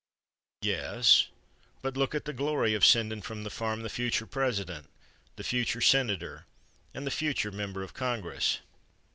"Yes; but look at the glory of sending from the farm the future President, the future Senator and the future member of Congress."